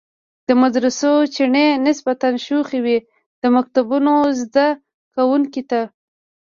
د مدرسو چڼې نسبتاً شوخ وي، د مکتبونو زده کوونکو ته.